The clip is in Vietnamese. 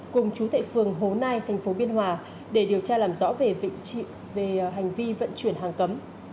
cùng chú thệ phường hồ nai tp biên hòa để điều tra làm rõ về hành vi vận chuyển hàng cấm